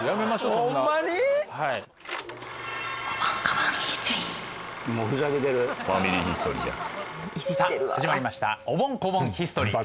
さあ始まりました「おぼん・こぼんヒストリー」